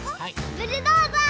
ブルドーザー！